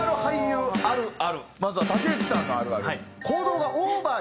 まずは竹内さんのあるある。